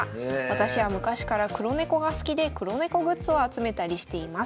私は昔から黒猫が好きで黒猫グッズを集めたりしています。